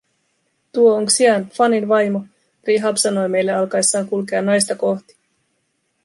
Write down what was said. "Tuo on Xiang, Fanin vaimo", Rihab sanoi meille alkaessaan kulkea naista kohti.